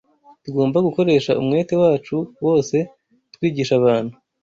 Tugomba gukoresha umwete wacu wose twigisha abantu